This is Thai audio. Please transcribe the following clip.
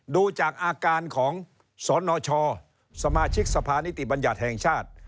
ดูจากอาการของสนชสมาชิกสภานิติบัญญัติแห่งชาติ